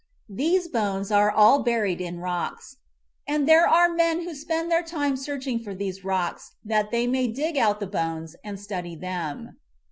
These bones are all buried in rocks, and there are men who spend their time searching for these rocks that they may dig out the bones and study them.